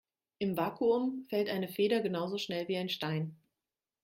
Im Vakuum fällt eine Feder genauso schnell wie ein Stein.